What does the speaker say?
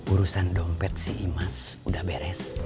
urusan dompet si imas udah beres